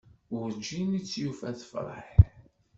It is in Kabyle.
Werǧin i tt-yufi tefreḥ.